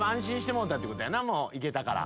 もういけたから。